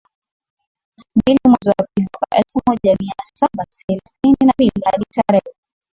mbili mwezi wa pili mwaka elfu moja mia saba thelathini na mbili hadi tarehe